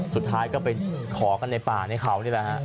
สุดท้ายก็ไปขอกันในป่าในเขานี่แหละฮะ